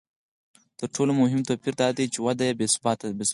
تر ټولو مهم توپیر دا دی چې وده بې ثباته وي